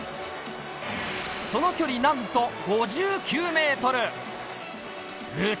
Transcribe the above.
その距離なんと５９メートル。